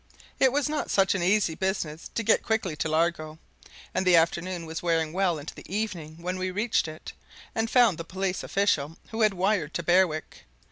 It was not such an easy business to get quickly to Largo, and the afternoon was wearing well into evening when we reached it, and found the police official who had wired to Berwick.